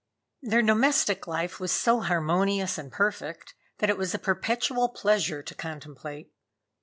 Their domestic life was so harmonious and perfect that it was a perpetual pleasure to contemplate.